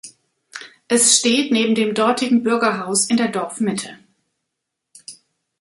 Es steht neben dem dortigen Bürgerhaus in der Dorfmitte.